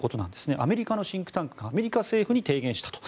アメリカのシンクタンクがアメリカ政府に提言したと。